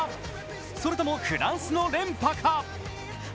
それともフランスの連覇か。